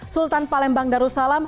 sultan palembang darussalam